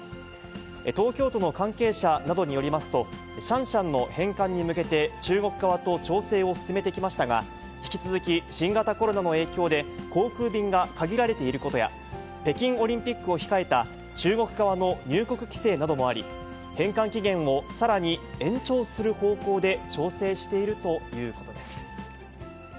東京都の関係者などによりますと、シャンシャンの返還に向けて中国側と調整を進めてきましたが、引き続き新型コロナの影響で航空便が限られていることや、北京オリンピックを控えた、中国側の入国規制などもあり、返還期限をさらに延長する方向で調整しているということです。